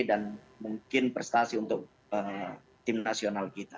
dan mungkin prestasi untuk tim nasional kita